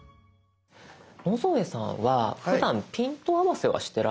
野添さんはふだんピント合わせはしてらっしゃいますか？